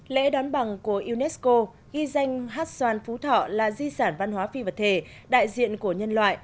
lễ đón bằng của unesco ghi danh hát xoan phú thọ là di sản văn hóa phi vật thể đại diện của nhân loại